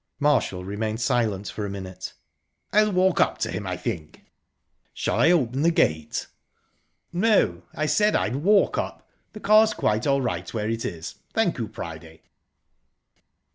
Marshall remained silent for a minute. "I'll walk up to him, I think." "Shall I open the gate?" "No, I said I'd walk up. The car's quite all right where it is. Thank you, Priday."